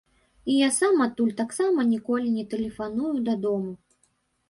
І я сам адтуль таксама ніколі не тэлефаную дадому.